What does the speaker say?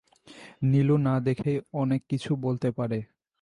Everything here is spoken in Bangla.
নীলু না দেখেই অনেক কিছু বলতে পারে।